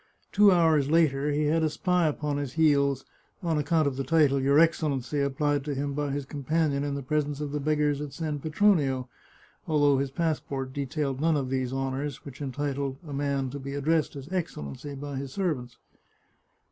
Two hours later he had a spy upon his heels, on account of the title " your Excellency " applied to him by his companion in the presence of the beggars at San Pe tronio, although his passport detailed none of those honours which entitle a man to be addressed as " Excellency " by his servants.